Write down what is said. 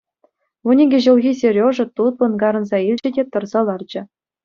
Вун икӗ ҫулхи Сережа тутлӑн карӑнса илчӗ те тӑрса ларчӗ.